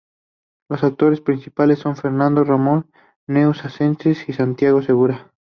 Los actores principales son Fernando Ramallo, Neus Asensi y Santiago Segura.